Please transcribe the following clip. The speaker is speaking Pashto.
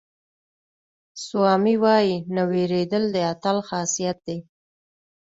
سوامي وایي نه وېرېدل د اتل خاصیت دی.